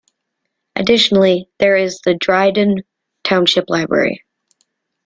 Additionally there is the Dryden Township Library.